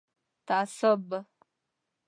تعصب